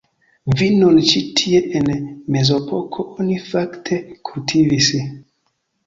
Vinon ĉi tie en mezepoko oni fakte kultivis.